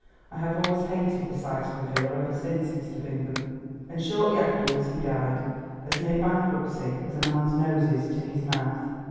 I have always hated the sight of a villa ever since, Mr. Bingham. And shortly afterwards he died, as near bankruptcy as a man's nose is to his mouth.